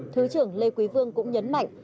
thứ trưởng lê quý vương cũng nhấn mạnh